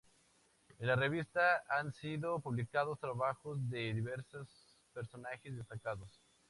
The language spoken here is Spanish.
En la revista han sido publicados trabajos de diversos personajes destacados.